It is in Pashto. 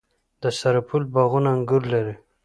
د سرپل باغونه انګور لري.